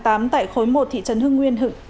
tại khối một thị trấn hưng nguyên